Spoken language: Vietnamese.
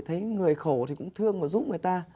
thấy người khổ thì cũng thương mà giúp người ta